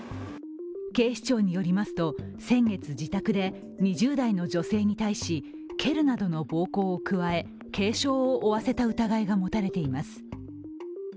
警視庁によりますと先月、自宅で２０代の女性に対し、蹴るなどの暴行を加え軽傷を負わせた疑いが持たれています。